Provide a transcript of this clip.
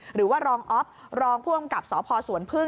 หรือว่ารองอ๊อฟรองผู้อำกับสพสวนพึ่ง